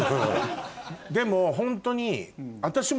でもホントに。